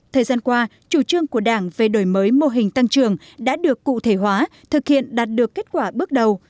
thời gian qua chủ trương của đảng về đổi mới mô hình tăng trường đã được cụ thể hóa thực hiện đạt được kết quả bước đầu